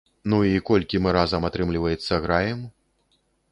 Ну і колькі мы разам атрымліваецца граем?